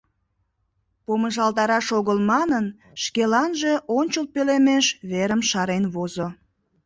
Помыжалташ огыл манын, шкаланже ончыл пӧлемеш верым шарен возо.